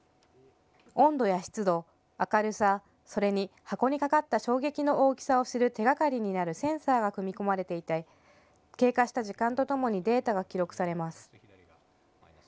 温度や湿度、明るさ、それに箱にかかった衝撃の大きさを知る手がかりになるセンサーが組み込まれていて経過した時間とともにデータが記録されます。